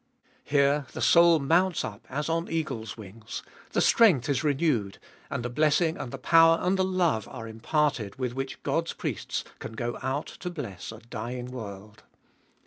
Here the soul mounts up as on eagle's wings, the strength is renewed, and the blessing and the power and the love are imparted with which God's priests can go out to bless a dying world.